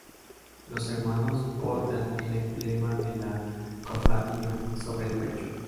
Los hermanos portan el emblema de la cofradía sobre el pecho.